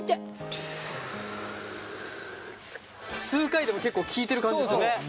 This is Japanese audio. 数回でも結構効いてる感じする。